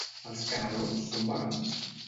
Els canelons són vegans?